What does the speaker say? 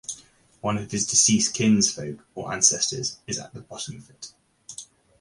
One of his deceased kinsfolk or ancestors is at the bottom of it.